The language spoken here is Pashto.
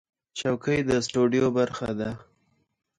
چوکۍ د سټوډیو برخه ده.